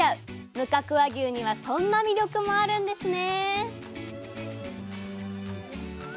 無角和牛にはそんな魅力もあるんですね